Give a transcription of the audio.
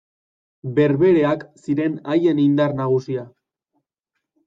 Berbereak ziren haien indar nagusia.